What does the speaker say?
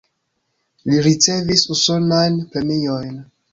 Li ricevis usonajn premiojn.